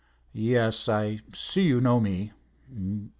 "Yes, I see you know me.